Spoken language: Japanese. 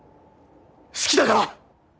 好きだから。